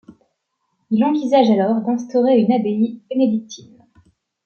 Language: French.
Il envisage alors d'instaurer une abbaye bénédictine.